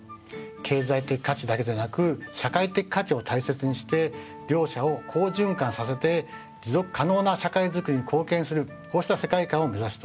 経済的価値だけでなく社会的価値を大切にして両者を好循環させて持続可能な社会づくりに貢献するこうした世界観を目指しております。